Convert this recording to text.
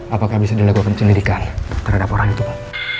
apakah bisa dilakukan penyelidikan terhadap orang itu pak